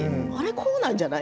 こうなんじゃない？